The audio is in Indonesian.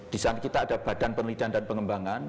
di sana kita ada badan penelitian dan pengembangan